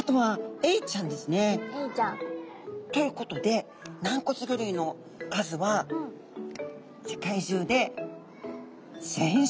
エイちゃん。ということで軟骨魚類の数は世界中で１，０００種ほど。